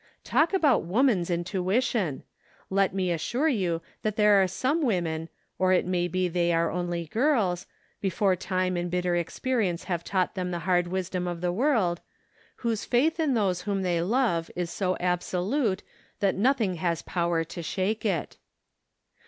Talk about woman's intuition ! Let me assure you that there are some women, or it may be they are only girls, before time and bitter experience have taught them the hard wisdom of the world, whose faith in those whom they love is so absolute that nothing has power to shake it.